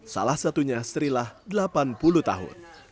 salah satunya srilah delapan puluh tahun